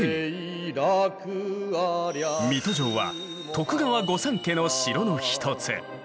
水戸城は徳川御三家の城の一つ。